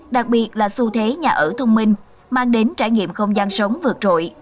đặc biệt là xu thế nhà ở thông minh mang đến trải nghiệm không gian sống vượt trội